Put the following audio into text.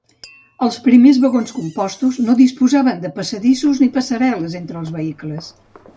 Els primers vagons compostos no disposaven de passadissos ni passarel·les entre els vehicles.